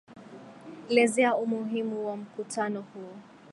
lezea umuhimu wa mkutano huo